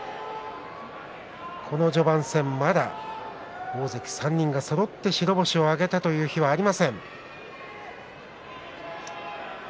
この序盤戦、まだ大関３人がそろって白星を挙げたという日はありません。